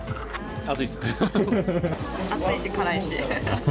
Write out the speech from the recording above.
熱いし、辛いし。